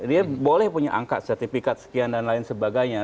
dia boleh punya angka sertifikat sekian dan lain sebagainya